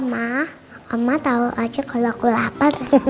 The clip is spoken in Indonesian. nah oma tau aja kalo aku lapar